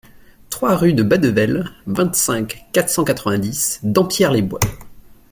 trois rue de Badevel, vingt-cinq, quatre cent quatre-vingt-dix, Dampierre-les-Bois